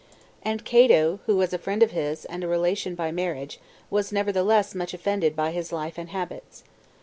And Cato, who was a friend of his, and a relation by marriage, was nevertheless much offended by his life and habits.